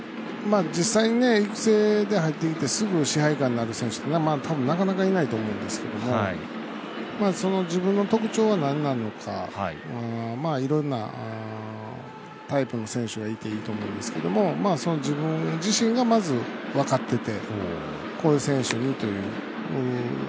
実際に育成で入ってきてすぐ支配下になる選手ってたぶん、なかなかいないと思うんですけども自分の特徴はなんなのかいろんなタイプの選手がいていいと思うんですけども自分自身がまず分かっててこういう選手にという。